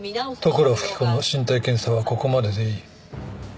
利倉富貴子の身体検査はここまででいい。